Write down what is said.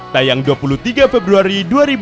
tayang dua puluh tiga februari dua ribu dua puluh